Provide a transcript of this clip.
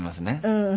うん。